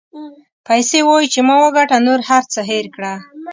پیسې وایي چې ما وګټه نور هر څه هېر کړه.